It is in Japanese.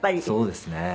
そうですね。